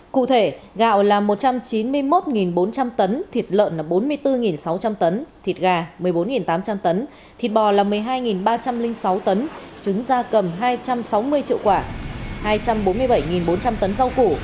cụ thể gạo là một trăm chín mươi một bốn trăm linh tấn thịt lợn bốn mươi bốn sáu trăm linh tấn thịt gà một mươi bốn tám trăm linh tấn thịt bò là một mươi hai ba trăm linh sáu tấn trứng da cầm hai trăm sáu mươi triệu quả hai trăm bốn mươi bảy bốn trăm linh tấn rau củ